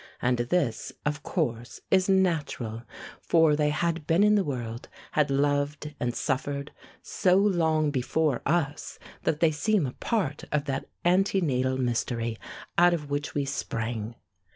And this, of course, is natural, for they had been in the world, had loved and suffered, so long before us that they seem a part of that antenatal mystery out of which we sprang.